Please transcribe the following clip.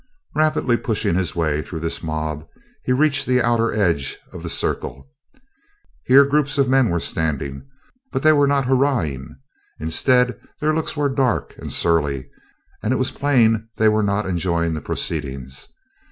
Rapidly pushing his way through this mob, he reached the outer edge of the circle. Here groups of men were standing, but they were not hurrahing. Instead, their looks were dark and surly, and it was plain they were not enjoying the proceedings.